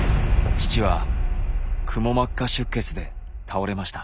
父はくも膜下出血で倒れました。